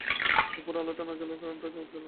দুপোঁর আলোটা না জ্বালবার কারণটা এখন বুঝলাম।